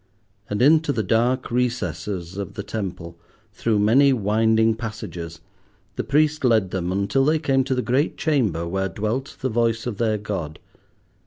And into the dark recesses of the temple, through many winding passages, the priest led them until they came to the great chamber where dwelt the voice of their god.